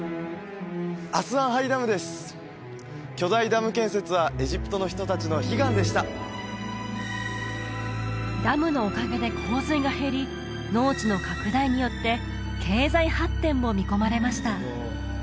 アスワン・ハイ・ダムです巨大ダム建設はエジプトの人達の悲願でしたダムのおかげで洪水が減り農地の拡大によって経済発展も見込まれました